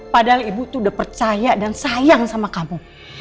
padahal ibu tuh udah percaya dan sayang sama kamu